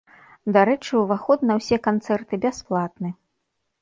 Дарэчы, уваход на ўсе канцэрты бясплатны.